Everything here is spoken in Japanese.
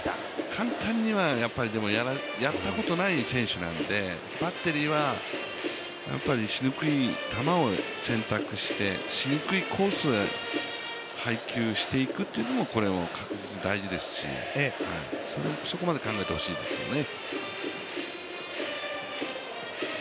簡単にはやったことない選手なんでバッテリーはゆっくり球を選択してしにくいコースを配球していくというのはこれも確実に大事ですし、そこまで投げてほしいですね。